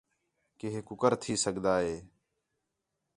کہ ہِے کُکر تھی سڳدا ہِے